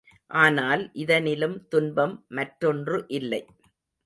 ஆனால் இதனிலும் துன்பம் மற்றொன்று இல்லை.